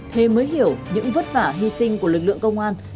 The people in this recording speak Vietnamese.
thế mới hiểu những vất vả hy sinh của lực lượng công an